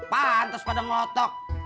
pantes pada ngotok